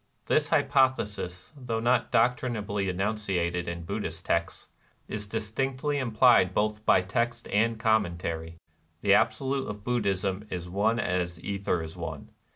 This NIRVANA 257 hypothesis, though not doctrinably enunciated in Buddhist texts, is distinctly implied both by text and commentary. The Absolute of Buddhism is one as ether is one.